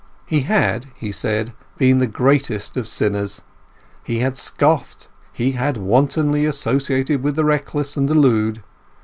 He had, he said, been the greatest of sinners. He had scoffed; he had wantonly associated with the reckless and the lewd.